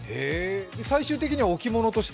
最終的には置物として？